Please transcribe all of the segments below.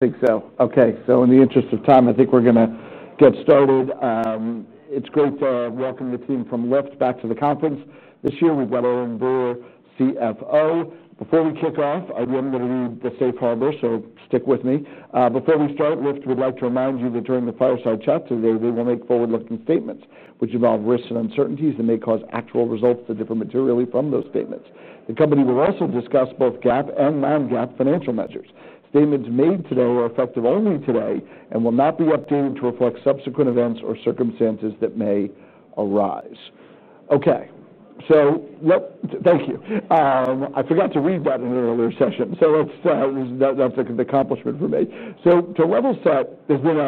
Okay, in the interest of time, I think we're going to get started. It's great to welcome the team from Lyft back to the conference this year. We've got Erin Brewer, CFO. Before we kick off, I am going to read the safe harbor, so stick with me. Before we start, Lyft would like to remind you to turn the fireside chat to the way we'll make forward-looking statements, which involve risks and uncertainties that may cause actual results to differ materially from those statements. The company will also discuss both GAAP and non-GAAP financial measures. Statements made today are effective only today and will not be updated to reflect subsequent events or circumstances that may arise. Thank you. I forgot to read that in an earlier session, so that's an accomplishment for me. To level set, there's been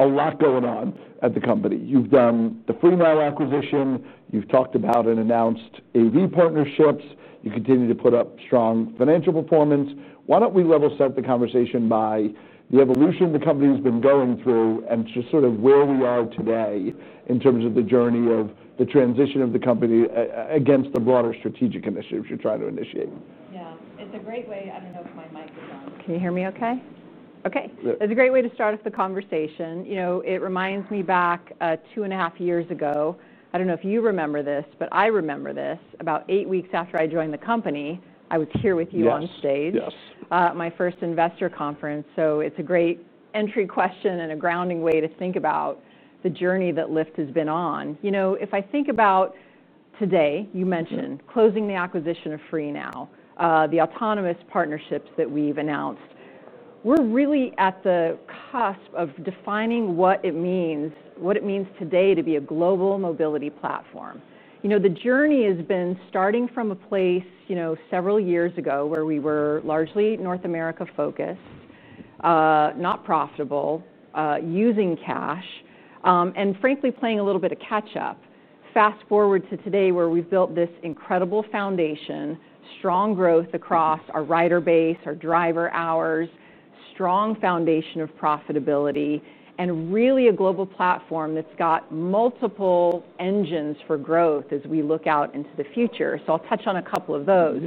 a lot going on at the company. You've done the Freenow acquisition. You've talked about and announced AV partnerships. You continue to put up strong financial performance. Why don't we level set the conversation by the evolution the company's been going through and just sort of where we are today in terms of the journey of the transition of the company against the broader strategic initiatives you're trying to initiate. Yeah, it's a great way. I don't know if my mic is on. Can you hear me okay? Okay. It's a great way to start off the conversation. You know, it reminds me back two and a half years ago. I don't know if you remember this, but I remember this about eight weeks after I joined the company. I was here with you on stage. Yes. My first investor conference. It's a great entry question and a grounding way to think about the journey that Lyft has been on. If I think about today, you mentioned closing the acquisition of Freenow, the autonomous partnerships that we've announced, we're really at the cusp of defining what it means, what it means today to be a global mobility platform. The journey has been starting from a place several years ago where we were largely North America focused, not profitable, using cash, and frankly playing a little bit of catch-up. Fast forward to today where we've built this incredible foundation, strong growth across our rider base, our driver hours, strong foundation of profitability, and really a global platform that's got multiple engines for growth as we look out into the future. I'll touch on a couple of those.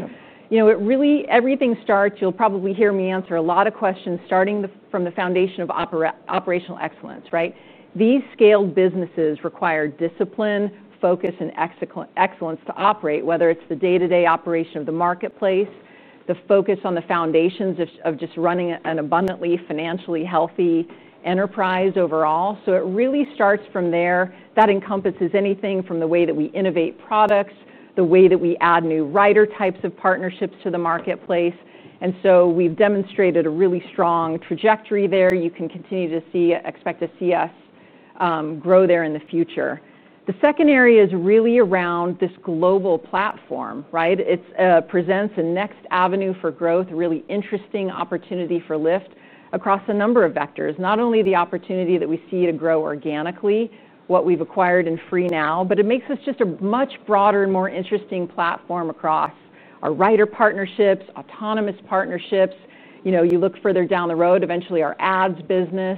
Everything starts, you'll probably hear me answer a lot of questions starting from the foundation of operational excellence, right? These scaled businesses require discipline, focus, and excellence to operate, whether it's the day-to-day operation of the marketplace, the focus on the foundations of just running an abundantly financially healthy enterprise overall. It really starts from there. That encompasses anything from the way that we innovate products, the way that we add new rider types of partnerships to the marketplace. We've demonstrated a really strong trajectory there. You can continue to see, expect to see us grow there in the future. The second area is really around this global platform, right? It presents a next avenue for growth, really interesting opportunity for Lyft across a number of vectors. Not only the opportunity that we see to grow organically, what we've acquired in Freenow, but it makes us just a much broader and more interesting platform across our rider partnerships, autonomous partnerships. You look further down the road, eventually our ads business.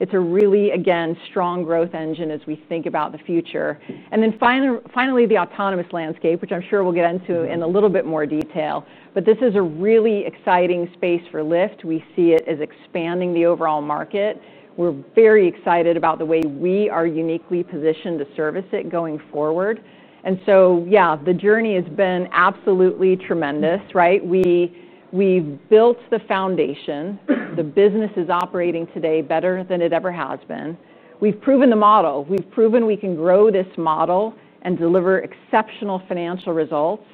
It's a really, again, strong growth engine as we think about the future. Finally, the autonomous landscape, which I'm sure we'll get into in a little bit more detail. This is a really exciting space for Lyft. We see it as expanding the overall market. We're very excited about the way we are uniquely positioned to service it going forward. The journey has been absolutely tremendous, right? We've built the foundation. The business is operating today better than it ever has been. We've proven the model. We've proven we can grow this model and deliver exceptional financial results.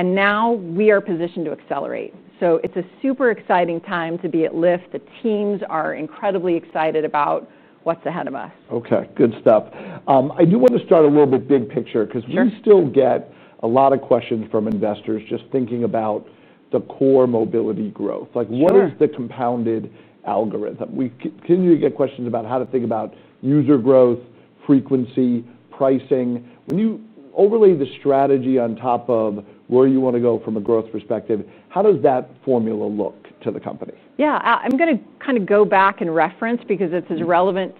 Now we are positioned to accelerate. It's a super exciting time to be at Lyft. The teams are incredibly excited about what's ahead of us. Okay, good stuff. I do want to start a little bit big picture because we still get a lot of questions from investors just thinking about the core mobility growth. What is the compounded algorithm? We continue to get questions about how to think about user growth, frequency, pricing. When you overlay the strategy on top of where you want to go from a growth perspective, how does that formula look to the company? I'm going to kind of go back and reference because it's as relevant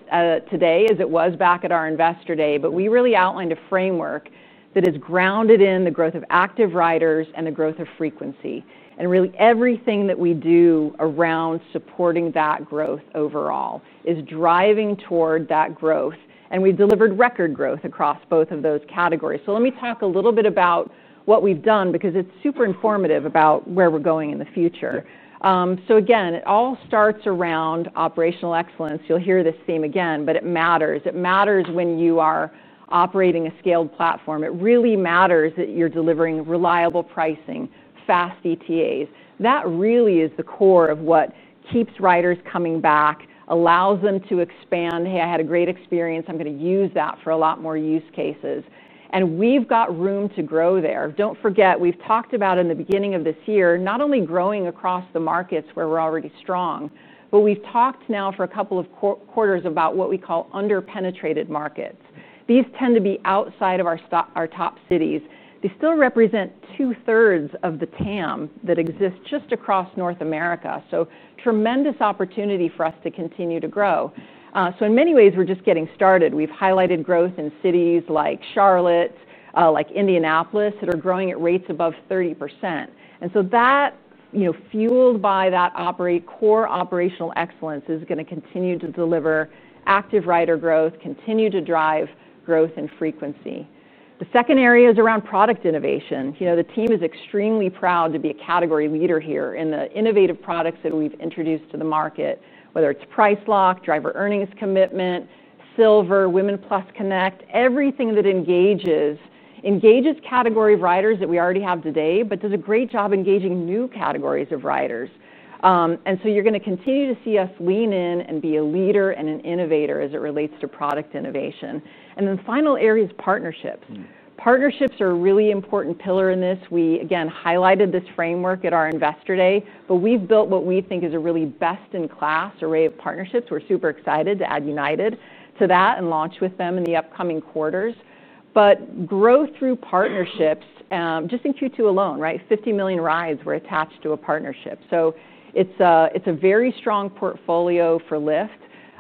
today as it was back at our investor day, but we really outlined a framework that is grounded in the growth of active riders and the growth of frequency. Really, everything that we do around supporting that growth overall is driving toward that growth. We've delivered record growth across both of those categories. Let me talk a little bit about what we've done because it's super informative about where we're going in the future. It all starts around operational excellence. You'll hear this theme again, but it matters. It matters when you are operating a scaled platform. It really matters that you're delivering reliable pricing, fast ETAs. That really is the core of what keeps riders coming back, allows them to expand, "Hey, I had a great experience. I'm going to use that for a lot more use cases." We've got room to grow there. Don't forget, we've talked about in the beginning of this year, not only growing across the markets where we're already strong, but we've talked now for a couple of quarters about what we call underpenetrated markets. These tend to be outside of our top cities. They still represent two-thirds of the TAM that exist just across North America. Tremendous opportunity for us to continue to grow. In many ways, we're just getting started. We've highlighted growth in cities like Charlotte, like Indianapolis, that are growing at rates above 30%. Fueled by that core operational excellence, that is going to continue to deliver active rider growth, continue to drive growth and frequency. The second area is around product innovation. The team is extremely proud to be a category leader here in the innovative products that we've introduced to the market, whether it's Pricelock, Driver Earnings Commitment, Lyft Silver, Women+ Connect, everything that engages category riders that we already have today, but does a great job engaging new categories of riders. You're going to continue to see us lean in and be a leader and an innovator as it relates to product innovation. The final area is partnerships. Partnerships are a really important pillar in this. We highlighted this framework at our investor day, but we've built what we think is a really best-in-class array of partnerships. We're super excited to add United Airlines to that and launch with them in the upcoming quarters. Growth through partnerships, just in Q2 alone, right? 50 million rides were attached to a partnership. It's a very strong portfolio for Lyft,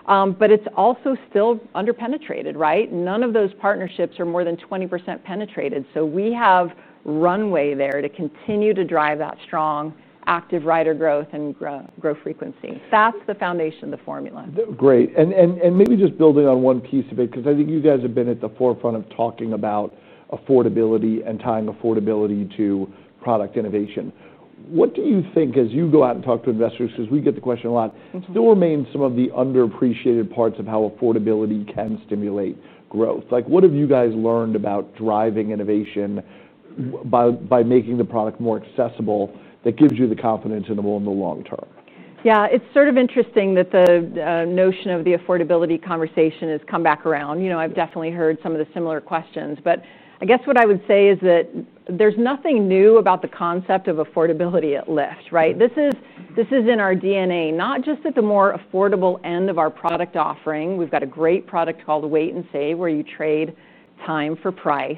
but it's also still underpenetrated, right? None of those partnerships are more than 20% penetrated. We have runway there to continue to drive that strong active rider growth and grow frequency. That's the foundation of the formula. Great. Maybe just building on one piece of it, because I think you guys have been at the forefront of talking about affordability and tying affordability to product innovation. What do you think, as you go out and talk to investors, because we get the question a lot, still remain some of the underappreciated parts of how affordability can stimulate growth? What have you guys learned about driving innovation by making the product more accessible that gives you the confidence in the long term? Yeah, it's sort of interesting that the notion of the affordability conversation has come back around. I've definitely heard some of the similar questions, but I guess what I would say is that there's nothing new about the concept of affordability at Lyft, right? This is in our DNA, not just at the more affordable end of our product offering. We've got a great product called Wait and Save, where you trade time for price.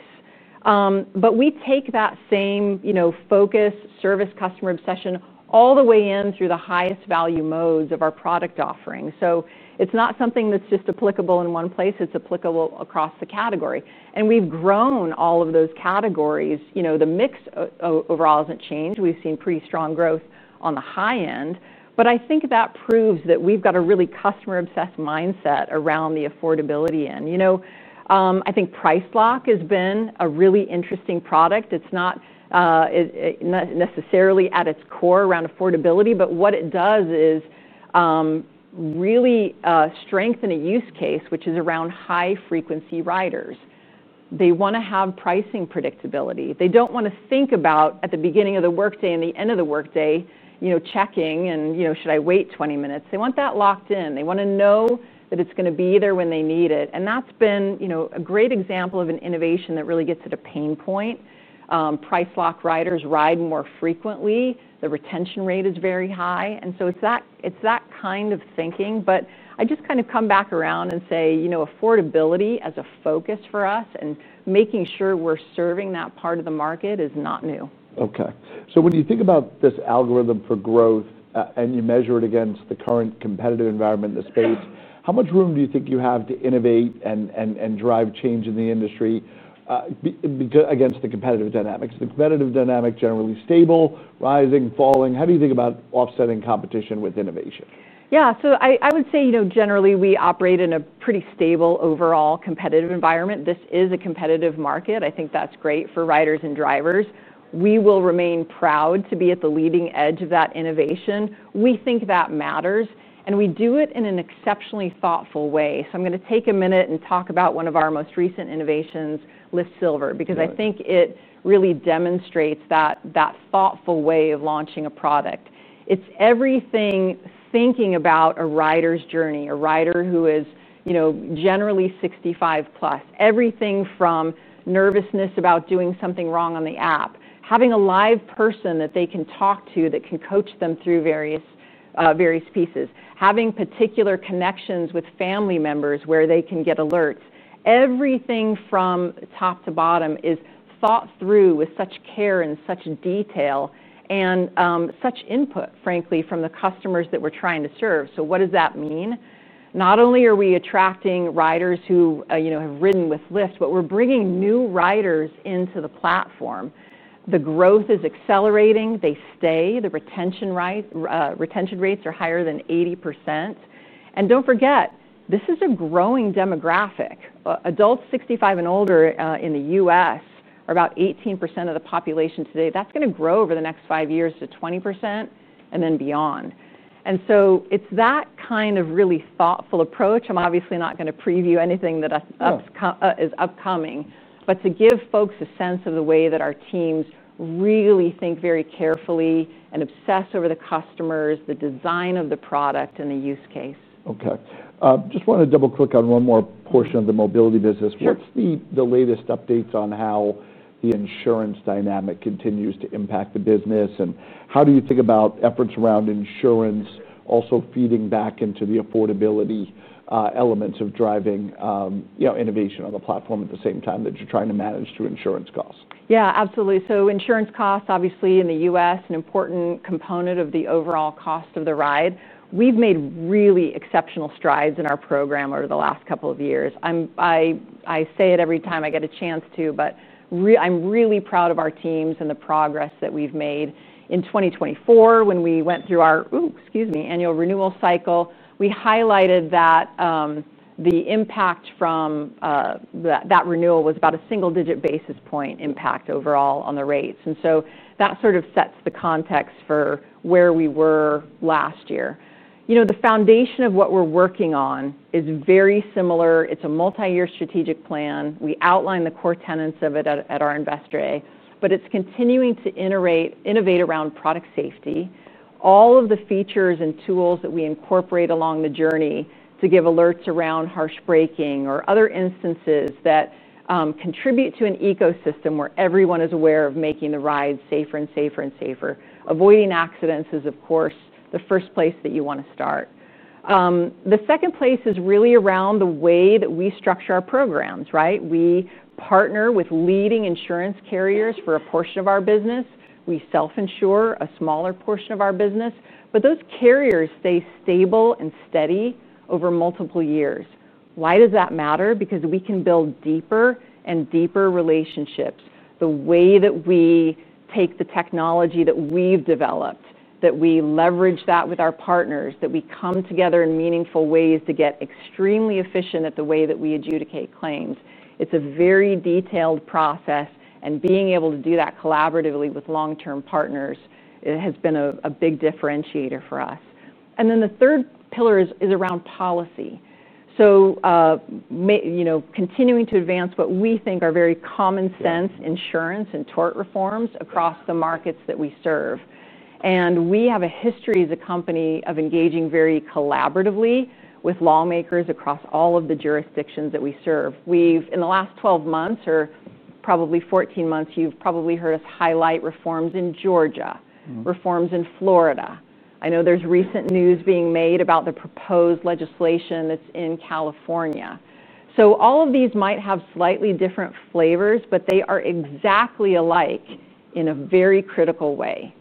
We take that same focus, service, customer obsession all the way in through the highest value modes of our product offering. It's not something that's just applicable in one place. It's applicable across the category. We've grown all of those categories. The mix overall hasn't changed. We've seen pretty strong growth on the high end. I think that proves that we've got a really customer-obsessed mindset around the affordability end. I think Pricelock has been a really interesting product. It's not necessarily at its core around affordability, but what it does is really strengthen a use case, which is around high-frequency riders. They want to have pricing predictability. They don't want to think about at the beginning of the workday and the end of the workday, checking and, you know, should I wait 20 minutes? They want that locked in. They want to know that it's going to be there when they need it. That's been a great example of an innovation that really gets at a pain point. Pricelock riders ride more frequently. The retention rate is very high. It's that kind of thinking. I just come back around and say, affordability as a focus for us and making sure we're serving that part of the market is not new. Okay. When you think about this algorithm for growth and you measure it against the current competitive environment in the space, how much room do you think you have to innovate and drive change in the industry against the competitive dynamics? Is the competitive dynamic generally stable, rising, or falling? How do you think about offsetting competition with innovation? Yeah, I would say, you know, generally we operate in a pretty stable overall competitive environment. This is a competitive market. I think that's great for riders and drivers. We will remain proud to be at the leading edge of that innovation. We think that matters. We do it in an exceptionally thoughtful way. I'm going to take a minute and talk about one of our most recent innovations, Lyft Silver, because I think it really demonstrates that thoughtful way of launching a product. It's everything thinking about a rider's journey, a rider who is, you know, generally 65 plus, everything from nervousness about doing something wrong on the app, having a live person that they can talk to that can coach them through various pieces, having particular connections with family members where they can get alerts. Everything from top to bottom is thought through with such care and such detail and such input, frankly, from the customers that we're trying to serve. What does that mean? Not only are we attracting riders who, you know, have ridden with Lyft, but we're bringing new riders into the platform. The growth is accelerating. They stay. The retention rates are higher than 80%. Don't forget, this is a growing demographic. Adults 65 and older in the U.S. are about 18% of the population today. That's going to grow over the next five years to 20% and then beyond. It's that kind of really thoughtful approach. I'm obviously not going to preview anything that is upcoming, but to give folks a sense of the way that our teams really think very carefully and obsess over the customers, the design of the product, and the use case. Okay. I just want to double click on one more portion of the mobility business. What's the latest updates on how the insurance dynamic continues to impact the business? How do you think about efforts around insurance also feeding back into the affordability elements of driving, you know, innovation on the platform at the same time that you're trying to manage through insurance costs? Yeah, absolutely. Insurance costs, obviously, in the U.S., are an important component of the overall cost of the ride. We've made really exceptional strides in our program over the last couple of years. I say it every time I get a chance to, but I'm really proud of our teams and the progress that we've made. In 2024, when we went through our annual renewal cycle, we highlighted that the impact from that renewal was about a single-digit basis point impact overall on the rates. That sets the context for where we were last year. The foundation of what we're working on is very similar. It's a multi-year strategic plan. We outline the core tenets of it at our investor day, but it's continuing to innovate around product safety. All of the features and tools that we incorporate along the journey give alerts around harsh braking or other instances that contribute to an ecosystem where everyone is aware of making the ride safer and safer and safer. Avoiding accidents is, of course, the first place that you want to start. The second place is really around the way that we structure our programs, right? We partner with leading insurance carriers for a portion of our business. We self-insure a smaller portion of our business. Those carriers stay stable and steady over multiple years. Why does that matter? Because we can build deeper and deeper relationships. The way that we take the technology that we've developed, that we leverage that with our partners, that we come together in meaningful ways to get extremely efficient at the way that we adjudicate claims. It's a very detailed process, and being able to do that collaboratively with long-term partners has been a big differentiator for us. The third pillar is around policy. Continuing to advance what we think are very common sense insurance and tort reforms across the markets that we serve. We have a history as a company of engaging very collaboratively with lawmakers across all of the jurisdictions that we serve. In the last 12 months, or probably 14 months, you've probably heard us highlight reforms in Georgia, reforms in Florida. I know there's recent news being made about the proposed legislation that's in California. All of these might have slightly different flavors, but they are exactly alike in a very critical way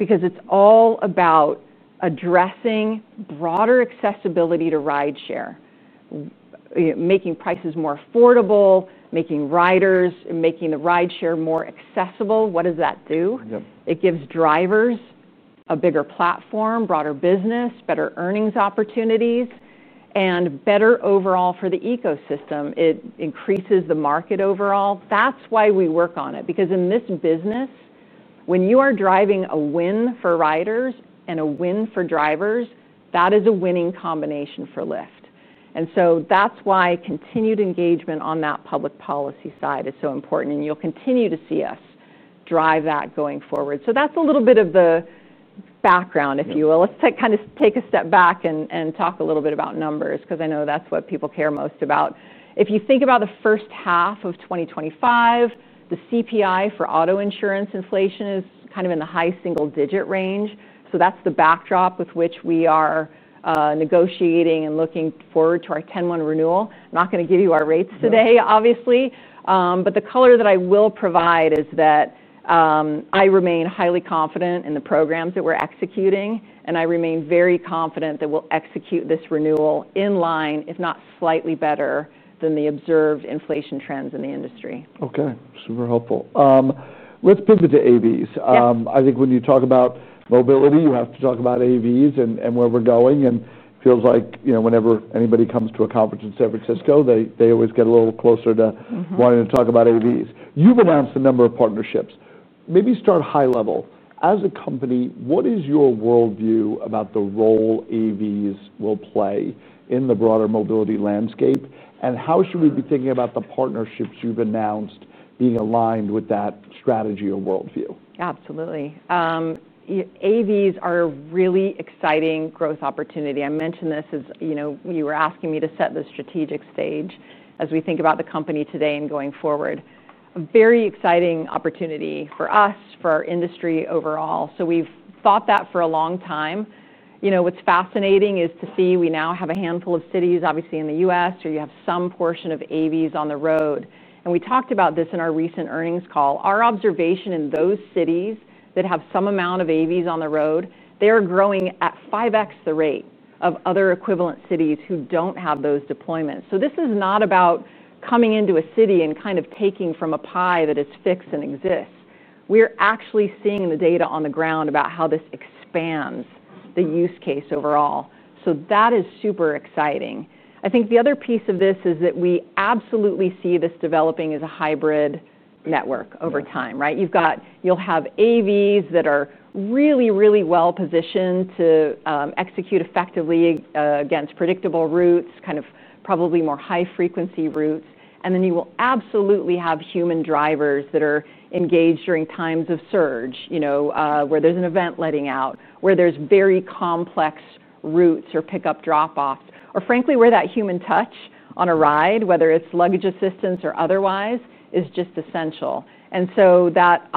because it's all about addressing broader accessibility to rideshare, making prices more affordable, making riders and making the rideshare more accessible. What does that do? It gives drivers a bigger platform, broader business, better earnings opportunities, and better overall for the ecosystem. It increases the market overall. That's why we work on it because in this business, when you are driving a win for riders and a win for drivers, that is a winning combination for Lyft. That's why continued engagement on that public policy side is so important. You'll continue to see us drive that going forward. That's a little bit of the background, if you will. Let's take a step back and talk a little bit about numbers because I know that's what people care most about. If you think about the first half of 2025, the CPI for auto insurance inflation is kind of in the high single-digit range. That's the backdrop with which we are negotiating and looking forward to our 10-1 renewal. I'm not going to give you our rates today, obviously. The color that I will provide is that I remain highly confident in the programs that we're executing, and I remain very confident that we'll execute this renewal in line, if not slightly better than the observed inflation trends in the industry. Okay, super helpful. Let's pivot to AVs. I think when you talk about mobility, you have to talk about AVs and where we're going. It feels like, you know, whenever anybody comes to a conference in San Francisco, they always get a little closer to wanting to talk about AVs. You've announced a number of partnerships. Maybe start high level. As a company, what is your worldview about the role AVs will play in the broader mobility landscape? How should we be thinking about the partnerships you've announced being aligned with that strategy or worldview? Absolutely. AVs are a really exciting growth opportunity. I mentioned this as you were asking me to set the strategic stage as we think about the company today and going forward. A very exciting opportunity for us, for our industry overall. We've thought that for a long time. You know, what's fascinating is to see we now have a handful of cities, obviously in the U.S., where you have some portion of AVs on the road. We talked about this in our recent earnings call. Our observation in those cities that have some amount of AVs on the road, they are growing at 5x the rate of other equivalent cities who don't have those deployments. This is not about coming into a city and kind of taking from a pie that is fixed and exists. We're actually seeing the data on the ground about how this expands the use case overall. That is super exciting. I think the other piece of this is that we absolutely see this developing as a hybrid network over time, right? You'll have AVs that are really, really well positioned to execute effectively against predictable routes, probably more high-frequency routes. You will absolutely have human drivers that are engaged during times of surge, where there's an event letting out, where there's very complex routes or pickup drop-offs, or frankly where that human touch on a ride, whether it's luggage assistance or otherwise, is just essential. That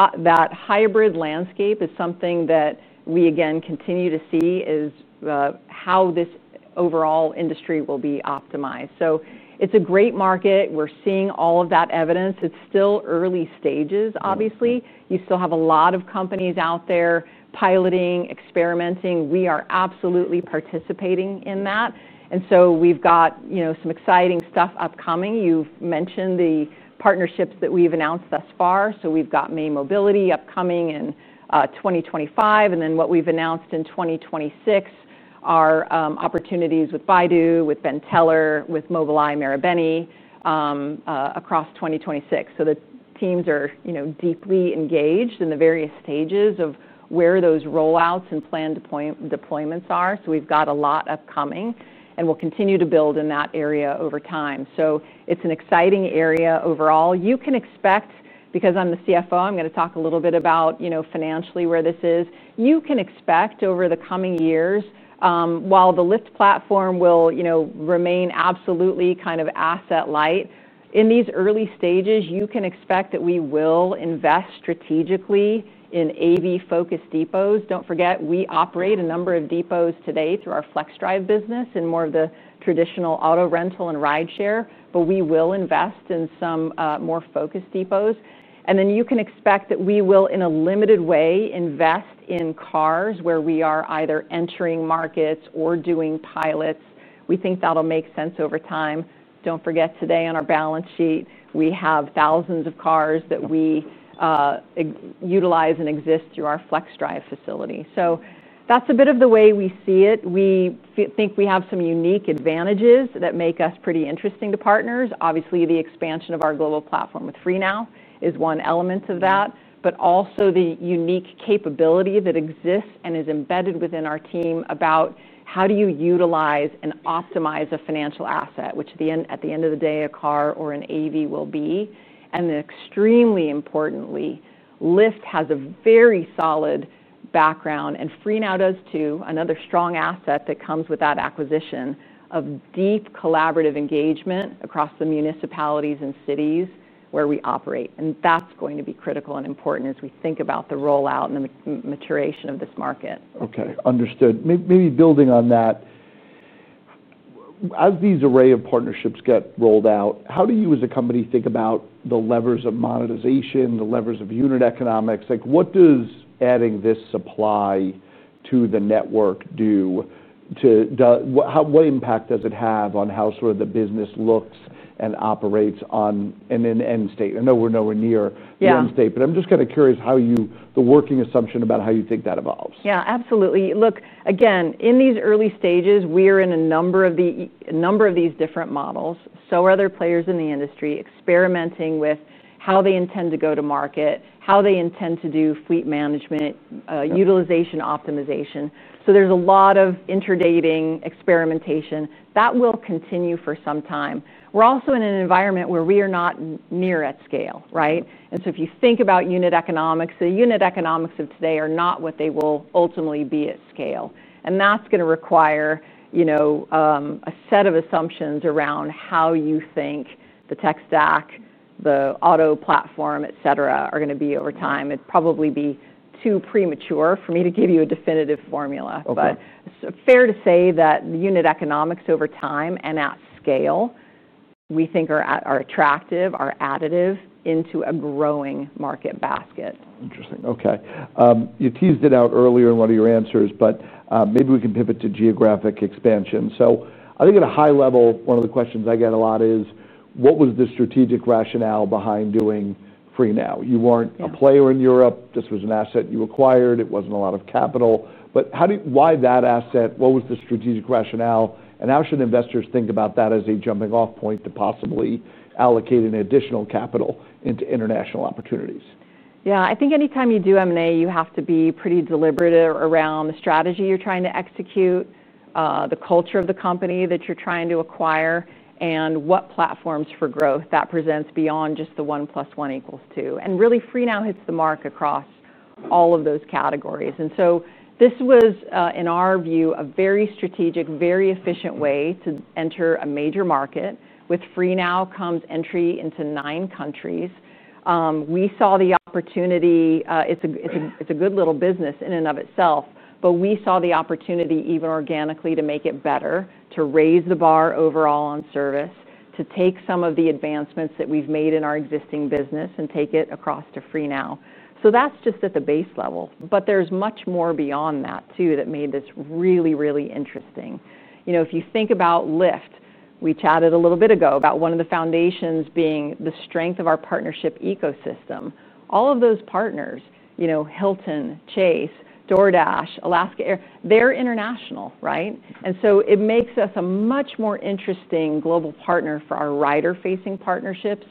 hybrid landscape is something that we again continue to see is how this overall industry will be optimized. It's a great market. We're seeing all of that evidence. It's still early stages, obviously. You still have a lot of companies out there piloting, experimenting. We are absolutely participating in that. We've got some exciting stuff upcoming. You've mentioned the partnerships that we've announced thus far. We've got May Mobility upcoming in 2025. What we've announced in 2026 are opportunities with Baidu, with Benteler Mobility, with Mobileye Marubeni across 2026. The teams are deeply engaged in the various stages of where those rollouts and planned deployments are. We've got a lot upcoming and we'll continue to build in that area over time. It's an exciting area overall. You can expect, because I'm the CFO, I'm going to talk a little bit about, you know, financially where this is. You can expect over the coming years, while the Lyft platform will remain absolutely kind of asset-light, in these early stages, you can expect that we will invest strategically in AV-focused depots. Don't forget, we operate a number of depots today through our FlexDrive business and more of the traditional auto rental and rideshare, but we will invest in some more focused depots. You can expect that we will, in a limited way, invest in cars where we are either entering markets or doing pilots. We think that'll make sense over time. Don't forget today on our balance sheet, we have thousands of cars that we utilize and exist through our FlexDrive facility. That's a bit of the way we see it. We think we have some unique advantages that make us pretty interesting to partners. Obviously, the expansion of our global platform with Freenow is one element of that, but also the unique capability that exists and is embedded within our team about how do you utilize and optimize a financial asset, which at the end of the day, a car or an AV will be. Extremely importantly, Lyft has a very solid background and Freenow does too, another strong asset that comes with that acquisition of deep collaborative engagement across the municipalities and cities where we operate. That's going to be critical and important as we think about the rollout and the maturation of this market. Okay, understood. Maybe building on that, as these array of partnerships get rolled out, how do you as a company think about the levers of monetization, the levers of unit economics? What does adding this supply to the network do? What impact does it have on how sort of the business looks and operates on an end state? I know we're nowhere near the end state, but I'm just kind of curious how you, the working assumption about how you think that evolves. Yeah, absolutely. Look, again, in these early stages, we are in a number of these different models. Other players in the industry are experimenting with how they intend to go to market, how they intend to do fleet management, utilization optimization. There's a lot of interesting experimentation that will continue for some time. We're also in an environment where we are not near at scale, right? If you think about unit economics, the unit economics of today are not what they will ultimately be at scale. That's going to require a set of assumptions around how you think the tech stack, the auto platform, et cetera, are going to be over time. It'd probably be too premature for me to give you a definitive formula. It's fair to say that the unit economics over time and at scale we think are attractive, are additive into a growing market basket. Interesting. Okay. You teased it out earlier in one of your answers, maybe we can pivot to geographic expansion. I think at a high level, one of the questions I get a lot is what was the strategic rationale behind doing Freenow? You weren't a player in Europe. This was an asset you acquired. It wasn't a lot of capital. Why that asset? What was the strategic rationale? How should investors think about that as a jumping-off point to possibly allocate additional capital into international opportunities? Yeah, I think anytime you do M&A, you have to be pretty deliberative around the strategy you're trying to execute, the culture of the company that you're trying to acquire, and what platforms for growth that presents beyond just the one plus one equals two. Really, Freenow hits the mark across all of those categories. This was, in our view, a very strategic, very efficient way to enter a major market. With Freenow comes entry into nine countries. We saw the opportunity. It's a good little business in and of itself, but we saw the opportunity even organically to make it better, to raise the bar overall on service, to take some of the advancements that we've made in our existing business and take it across to Freenow. That's just at the base level. There's much more beyond that too that made this really, really interesting. If you think about Lyft, we chatted a little bit ago about one of the foundations being the strength of our partnership ecosystem. All of those partners, you know, Hilton, Chase, DoorDash, Alaska Airlines, they're international, right? It makes us a much more interesting global partner for our rider-facing partnerships.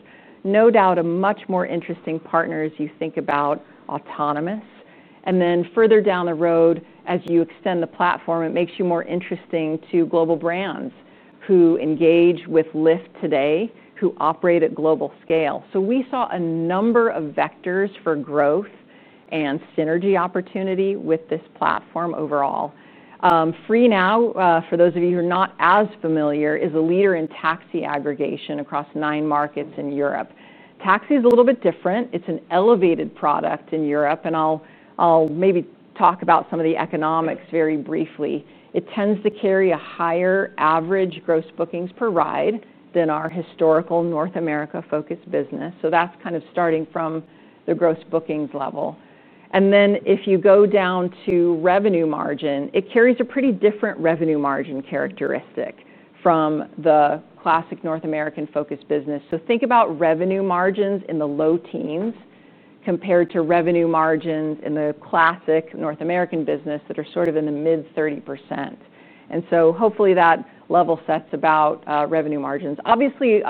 No doubt a much more interesting partner as you think about autonomous. Further down the road, as you extend the platform, it makes you more interesting to global brands who engage with Lyft today, who operate at global scale. We saw a number of vectors for growth and synergy opportunity with this platform overall. Freenow, for those of you who are not as familiar, is a leader in taxi aggregation across nine markets in Europe. Taxi is a little bit different. It's an elevated product in Europe, and I'll maybe talk about some of the economics very briefly. It tends to carry a higher average gross bookings per ride than our historical North America focused business. That's kind of starting from the gross bookings level. If you go down to revenue margin, it carries a pretty different revenue margin characteristic from the classic North American focused business. Think about revenue margins in the low teens compared to revenue margins in the classic North American business that are sort of in the mid-30%. Hopefully that level sets about revenue margins. Obviously,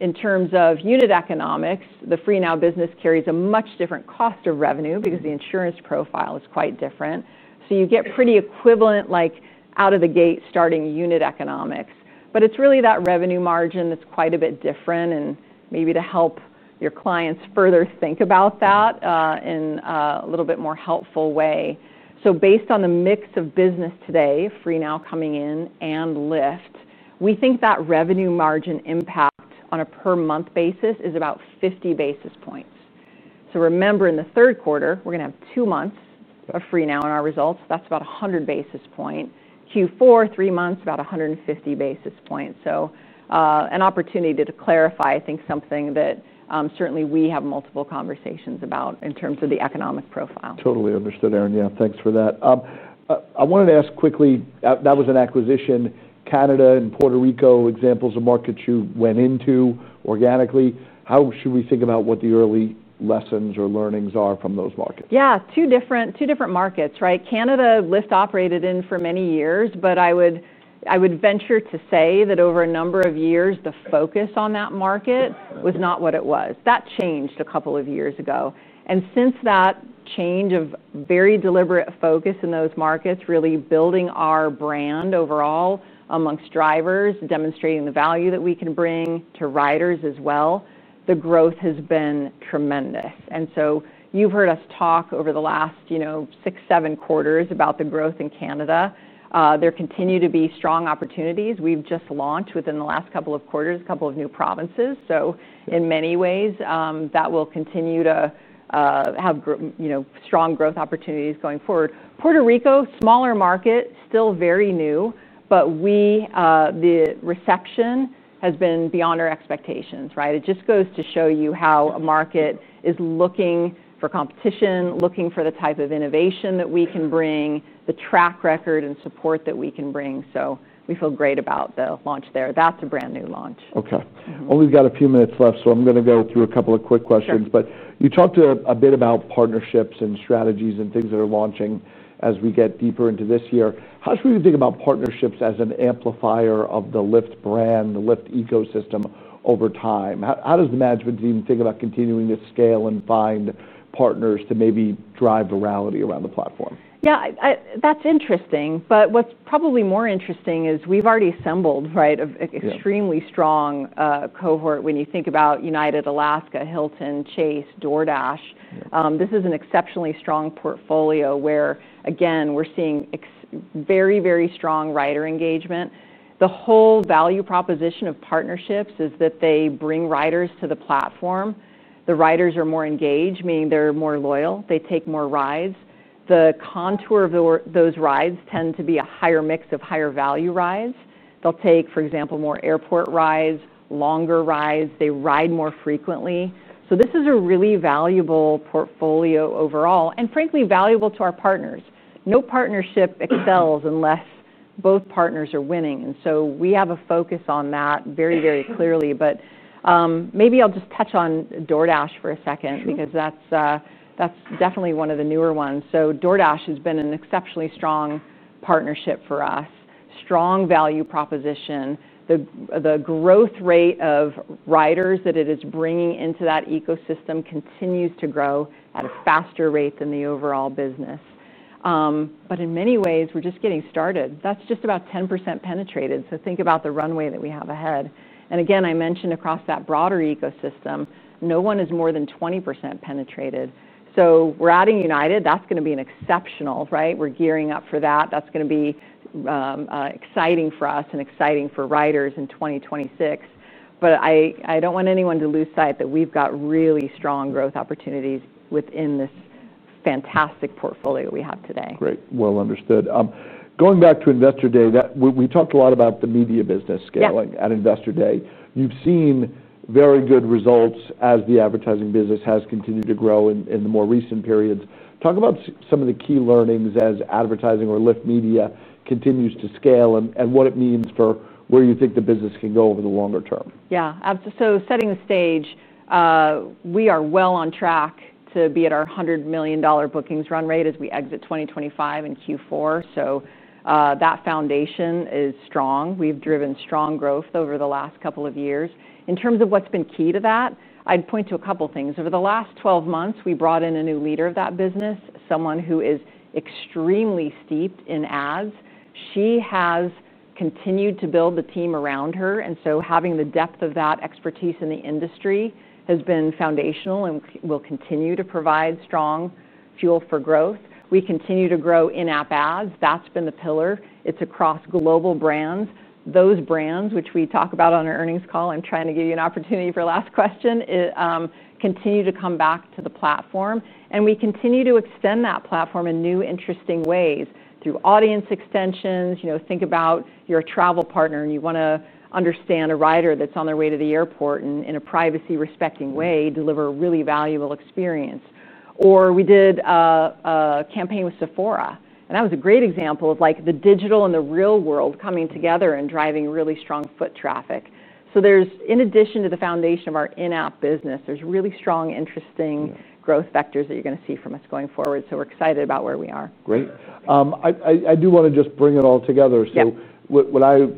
in terms of unit economics, the Freenow business carries a much different cost of revenue because the insurance profile is quite different. You get pretty equivalent, like out of the gate starting unit economics. It's really that revenue margin that's quite a bit different and maybe to help your clients further think about that in a little bit more helpful way. Based on the mix of business today, Freenow coming in and Lyft, we think that revenue margin impact on a per-month basis is about 50 basis points. Remember in the third quarter, we're going to have two months of Freenow in our results. That's about 100 basis points. Q4, three months, about 150 basis points. An opportunity to clarify, I think something that certainly we have multiple conversations about in terms of the economic profile. Totally understood, Erin. Yeah, thanks for that. I wanted to ask quickly, that was an acquisition. Canada and Puerto Rico, examples of markets you went into organically. How should we think about what the early lessons or learnings are from those markets? Yeah, two different markets, right? Canada, Lyft operated in for many years, but I would venture to say that over a number of years, the focus on that market was not what it was. That changed a couple of years ago. Since that change of very deliberate focus in those markets, really building our brand overall amongst drivers, demonstrating the value that we can bring to riders as well, the growth has been tremendous. You've heard us talk over the last six, seven quarters about the growth in Canada. There continue to be strong opportunities. We've just launched within the last couple of quarters, a couple of new provinces. In many ways, that will continue to have strong growth opportunities going forward. Puerto Rico, smaller market, still very new, but the reception has been beyond our expectations, right? It just goes to show you how a market is looking for competition, looking for the type of innovation that we can bring, the track record and support that we can bring. We feel great about the launch there. That's a brand new launch. Okay. We've got a few minutes left, so I'm going to go through a couple of quick questions. You talked a bit about partnerships and strategies and things that are launching as we get deeper into this year. How should we be thinking about partnerships as an amplifier of the Lyft brand, the Lyft ecosystem over time? How does the management team think about continuing to scale and find partners to maybe drive virality around the platform? Yeah, that's interesting. What's probably more interesting is we've already assembled an extremely strong cohort when you think about United, Alaska, Hilton, Chase, DoorDash. This is an exceptionally strong portfolio where, again, we're seeing very, very strong rider engagement. The whole value proposition of partnerships is that they bring riders to the platform. The riders are more engaged, meaning they're more loyal. They take more rides. The contour of those rides tends to be a higher mix of higher value rides. They'll take, for example, more airport rides, longer rides. They ride more frequently. This is a really valuable portfolio overall and frankly valuable to our partners. No partnership excels unless both partners are winning. We have a focus on that very, very clearly. Maybe I'll just touch on DoorDash for a second because that's definitely one of the newer ones. DoorDash has been an exceptionally strong partnership for us, strong value proposition. The growth rate of riders that it is bringing into that ecosystem continues to grow at a faster rate than the overall business. In many ways, we're just getting started. That's just about 10% penetrated. Think about the runway that we have ahead. Again, I mentioned across that broader ecosystem, no one is more than 20% penetrated. We're adding United. That's going to be exceptional, right? We're gearing up for that. That's going to be exciting for us and exciting for riders in 2026. I don't want anyone to lose sight that we've got really strong growth opportunities within this fantastic portfolio we have today. Great. Understood. Going back to Investor Day, we talked a lot about the media business scaling at Investor Day. You've seen very good results as the advertising business has continued to grow in the more recent periods. Talk about some of the key learnings as advertising or Lyft Media continues to scale and what it means for where you think the business can go over the longer term. Yeah, setting the stage, we are well on track to be at our $100 million bookings run rate as we exit 2025 in Q4. That foundation is strong. We've driven strong growth over the last couple of years. In terms of what's been key to that, I'd point to a couple of things. Over the last 12 months, we brought in a new leader of that business, someone who is extremely steeped in ads. She has continued to build the team around her. Having the depth of that expertise in the industry has been foundational and will continue to provide strong fuel for growth. We continue to grow in-app ads. That's been the pillar. It's across global brands. Those brands, which we talk about on our earnings call, continue to come back to the platform. We continue to extend that platform in new interesting ways through audience extensions. Think about your travel partner and you want to understand a rider that's on their way to the airport and in a privacy-respecting way, deliver a really valuable experience. We did a campaign with Sephora. That was a great example of the digital and the real world coming together and driving really strong foot traffic. In addition to the foundation of our in-app business, there are really strong, interesting growth vectors that you're going to see from us going forward. We're excited about where we are. Great. I do want to just bring it all together. When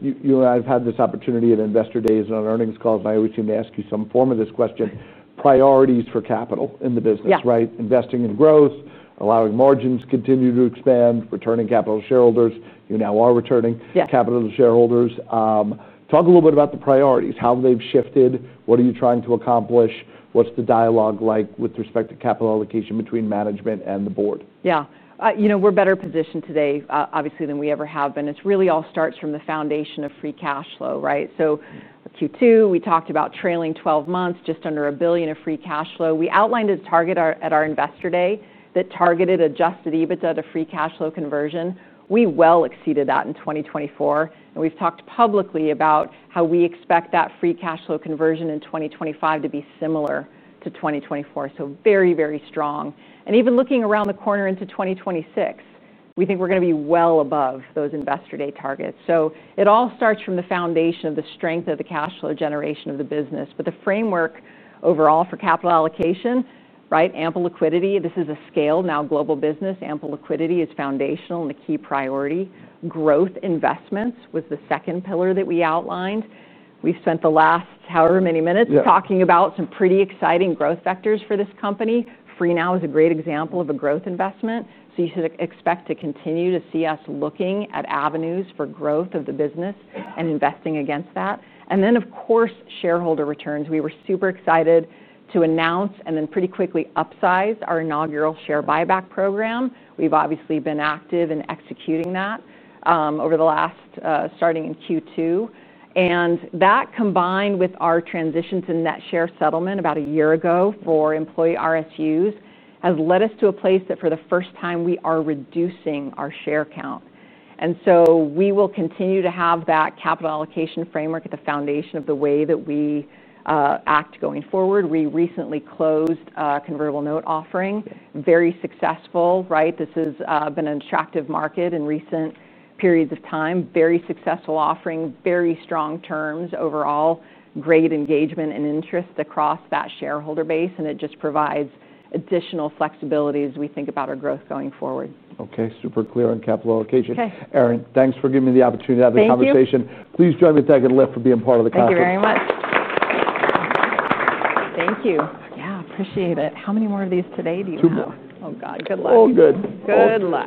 you and I have had this opportunity at Investor Days and on earnings calls, I always seem to ask you some form of this question: priorities for capital in the business, right? Investing in growth, allowing margins to continue to expand, returning capital to shareholders. You now are returning capital to shareholders. Talk a little bit about the priorities, how they've shifted. What are you trying to accomplish? What's the dialogue like with respect to capital allocation between management and the board? Yeah, you know, we're better positioned today, obviously, than we ever have been. It really all starts from the foundation of free cash flow, right? Q2, we talked about trailing 12 months, just under $1 billion of free cash flow. We outlined a target at our Investor Day that targeted adjusted EBITDA to free cash flow conversion. We well exceeded that in 2024. We've talked publicly about how we expect that free cash flow conversion in 2025 to be similar to 2024. Very, very strong. Even looking around the corner into 2026, we think we're going to be well above those Investor Day targets. It all starts from the foundation of the strength of the cash flow generation of the business. The framework overall for capital allocation, right, ample liquidity. This is a scaled now global business. Ample liquidity is foundational and a key priority. Growth investments was the second pillar that we outlined. We've spent the last however many minutes talking about some pretty exciting growth vectors for this company. Freenow is a great example of a growth investment. You should expect to continue to see us looking at avenues for growth of the business and investing against that. Of course, shareholder returns. We were super excited to announce and then pretty quickly upsize our inaugural share buyback program. We've obviously been active in executing that over the last, starting in Q2. That, combined with our transitions in net share settlement about a year ago for employee RSUs, has led us to a place that for the first time we are reducing our share count. We will continue to have that capital allocation framework at the foundation of the way that we act going forward. We recently closed a convertible note offering, very successful, right? This has been an attractive market in recent periods of time, very successful offering, very strong terms overall, great engagement and interest across that shareholder base. It just provides additional flexibility as we think about our growth going forward. Okay, super clear on capital allocation. Erin, thanks for giving me the opportunity to have the conversation. Please join me at Thanksgiving for being part of the conference. Thank you very much. Thank you. Yeah, I appreciate it. How many more of these today do you want? Oh God, good luck. All good. Good luck.